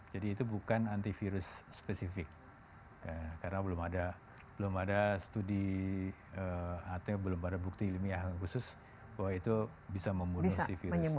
jadi itu bukan antivirus spesifik karena belum ada studi atau bukti ilmiah khusus bahwa itu bisa membunuh virus